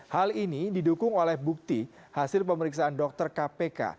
hal ini didukung oleh bukti hasil pemeriksaan dokter kpk